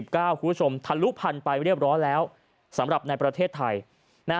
คุณผู้ชมทะลุพันไปเรียบร้อยแล้วสำหรับในประเทศไทย